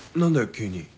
急に。